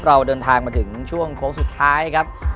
เราเดินทางมาถึงช่วงโค้งสุดท้ายครับ